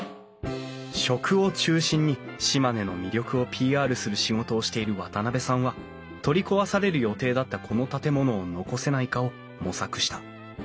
食を中心に島根の魅力をＰＲする仕事をしている渡部さんは取り壊される予定だったこの建物を残せないかを模索した。